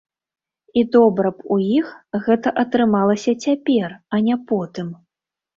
І добра б у іх гэта атрымалася цяпер, а не потым.